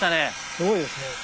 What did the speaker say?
すごいですね。